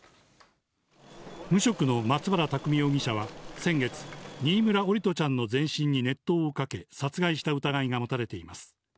無職の松原拓海容疑者は先月、新村桜利斗ちゃんの全身に熱湯をかけ、殺害した疑いが持たれています。